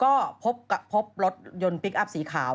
ก็พบรถยนต์พลิกอัพสีขาว